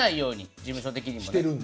事務所的にも。